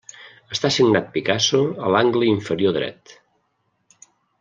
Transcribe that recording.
Està signat Picasso a l'angle inferior dret.